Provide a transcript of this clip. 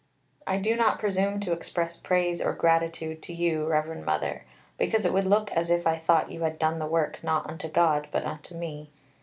I do not presume to express praise or gratitude to you, Revd. Mother, because it would look as if I thought you had done the work not unto God but unto me.